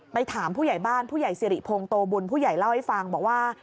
ถามผู้ใหญ่บ้านผู้ใหญ่สิริพงศ์โตบุญผู้ใหญ่เล่าให้ฟังบอกว่า